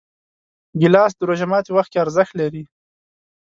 ګیلاس د روژه ماتي وخت کې ارزښت لري.